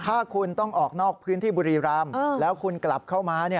ถ้าคุณต้องออกนอกพื้นที่บุรีรำแล้วคุณกลับเข้ามา